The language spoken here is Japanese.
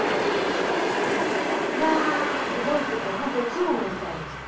いや動いててほんと生き物みたいでしたね。